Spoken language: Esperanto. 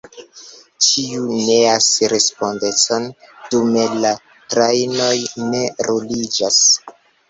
Ĉiu neas respondecon: dume la trajnoj ne ruliĝas.